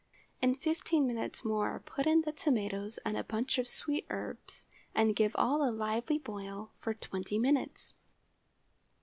In fifteen minutes more put in the tomatoes and a bunch of sweet herbs, and give all a lively boil of twenty minutes.